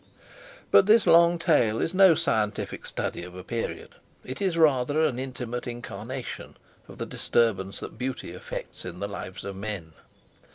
But this long tale is no scientific study of a period; it is rather an intimate incarnation of the disturbance that Beauty effects in the lives of men.